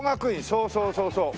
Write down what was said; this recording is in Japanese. そうそうそうそう。